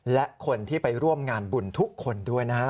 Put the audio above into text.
และคนที่ไปร่วมงานบุญทุกคนด้วยนะฮะ